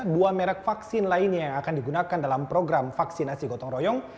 dua merek vaksin lainnya yang akan digunakan dalam program vaksinasi gotong royong